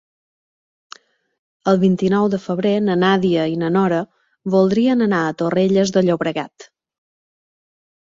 El vint-i-nou de febrer na Nàdia i na Nora voldrien anar a Torrelles de Llobregat.